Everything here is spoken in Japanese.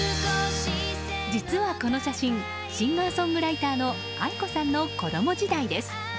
実はこの写真シンガーソングライターのａｉｋｏさんの子供時代です。